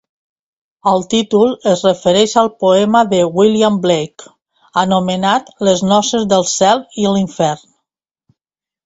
El títol es refereix al poema de William Blake anomenat "Les noces del cel i l'infern".